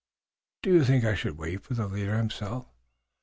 "Do you think I should wait for the leader himself?"